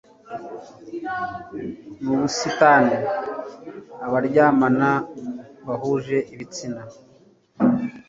n'ubusitani abaryamana bahuje ibitsina